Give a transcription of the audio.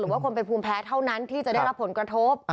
ว่าคนเป็นภูมิแพ้เท่านั้นที่จะได้รับผลกระทบ